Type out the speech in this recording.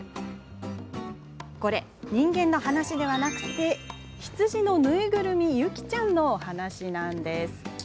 これ、人間の話ではなく羊のぬいぐるみユキちゃんの話なんです。